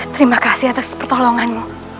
terima kasih atas pertolonganmu